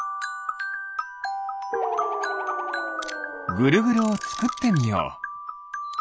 ぐるぐるをつくってみよう！